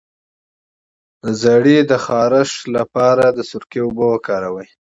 د زیړي د خارښ لپاره د سرکې اوبه وکاروئ